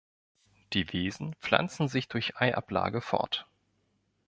Die Wesen pflanzen sich durch Eiablage fort.